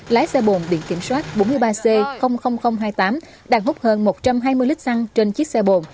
lái xe bồn biển kiểm soát bốn mươi ba c hai mươi tám đang hút hơn một trăm hai mươi lít xăng trên chiếc xe bồn